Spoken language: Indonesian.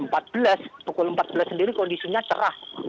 pukul empat belas sendiri kondisinya cerah